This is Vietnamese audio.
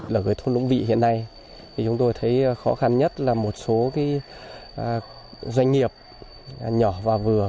là gửi thôn lũng vị hiện nay thì chúng tôi thấy khó khăn nhất là một số doanh nghiệp nhỏ và vừa